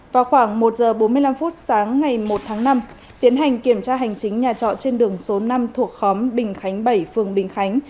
vào khoảng một h bốn mươi năm sáng ngày một tháng năm tiến hành kiểm tra hành chính nhà trọ trên đường số năm thuộc khóm bình khánh bảy phường bình khánh